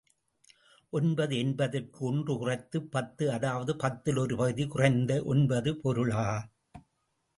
ஒன்பது என்பதற்கு, ஒன்று குறைந்த பத்து அதாவது பத்தில் ஒரு பகுதி குறைந்தது என்பது பொருள்.